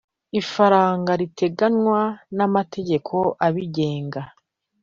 ifaranga riteganywa n’ amategeko abigenga.